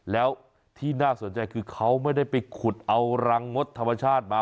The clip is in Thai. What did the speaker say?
แล้วที่น่าสนใจคือเขาไม่ได้ไปขุดเอารังงดธรรมชาติมา